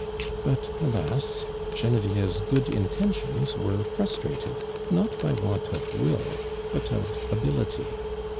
But, alas! (Jenevieve's good intentions were frustrated not by want of will but of ability.